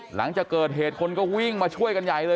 หลังจากเกิดเหตุคนก็วิ่งมาช่วยกันใหญ่เลย